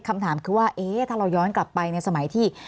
คำถามคือว่าถ้าเราย้อนกลับไปในสมัยที่